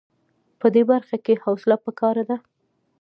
په دې برخه کې حوصله په کار ده.